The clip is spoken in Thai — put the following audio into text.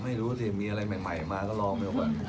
ไม่รู้สิมีอะไรใหม่มาก็ลองไปก่อน